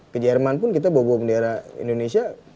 ke jerman pun kita bawa bawa bendera indonesia